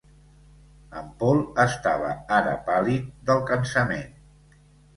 En Paul estava ara pàl·lid del cansament.